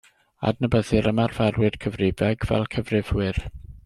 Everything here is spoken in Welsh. Adnabyddir ymarferwyr cyfrifeg fel cyfrifwyr.